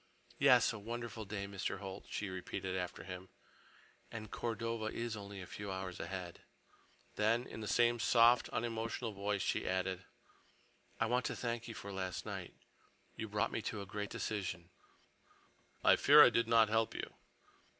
"Yes, a wonderful day, Mr. Holt," she repeated after him, "and Cordova is only a few hours ahead." Then, in the same soft, unemotional voice, she added: "I want to thank you for last night. You brought me to a great decision." "I fear I did not help you."